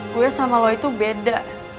kue sama lo itu beda